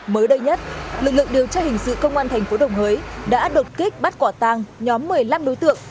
mới đây nhất lực lượng điều tra hình sự công an thành phố đồng hới đã đột kích bắt quả tang nhóm một mươi năm đối tượng